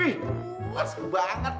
wih wah seru banget